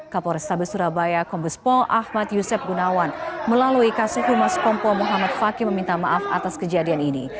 kapolresta besurabaya kompol ahmad yusef gunawan melalui kasih humas kompol muhammad fakih meminta maaf atas kejadian ini